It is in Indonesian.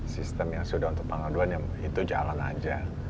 sistem yang sudah untuk pengaduan ya itu jalan aja